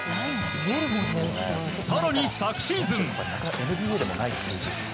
更に昨シーズン。